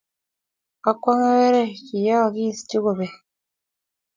akwonge wele kiyookis chuk kobek.